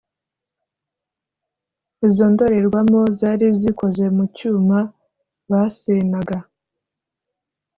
Izo ndorerwamo zari zikozwe mu cyuma basenaga